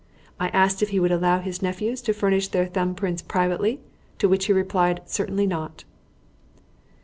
I asked if he would allow his nephews to furnish their thumb prints privately, to which he replied, 'Certainly not.'"